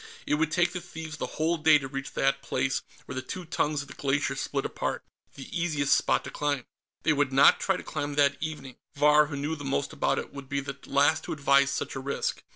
It would take the thieves the whole day to reach that place where the two tongues of the glacier split apart, the easiest spot to climb. They would not try to climb that evening; Vahr, who knew the most about it, would be the last to advise such a risk.